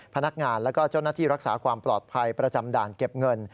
พนักงานแล้วก็เจ้าหน้าที่รักษาความปลอดภัยประจำด่านเก็บเงิน